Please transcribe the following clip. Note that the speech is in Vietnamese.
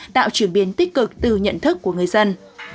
tạo chuyển biến tích cực từ nhận thức của người dân